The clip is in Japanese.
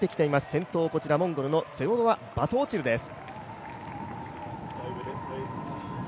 先頭はモンゴルのセルオド・バトオチルです。